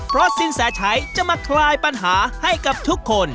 เพราะสินแสชัยจะมาคลายปัญหาให้กับทุกคน